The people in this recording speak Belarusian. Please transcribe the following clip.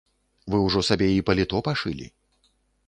Вы ўжо сабе і паліто пашылі.